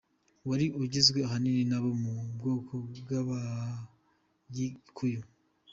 Wari ugizwe ahanini n’abo mu bwoko bw’Abagikuyu.